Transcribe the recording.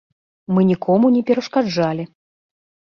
Мы нікому не перашкаджалі.